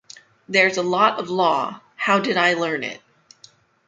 There's a lot of law! How did I learn it?